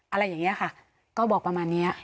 อะไรอย่างนี้ค่ะก็บอกประมาณนี้